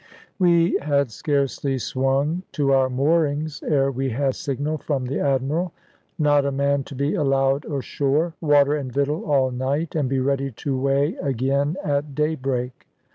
We had scarcely swung to our moorings ere we had signal from the Admiral, "Not a man to be allowed ashore. Water and victual all night, and be ready to weigh again at daybreak."